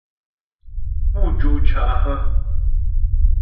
Pú jó cá' hə́ ?